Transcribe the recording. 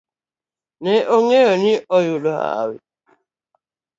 Nene ong'eyo ni oyudo hawi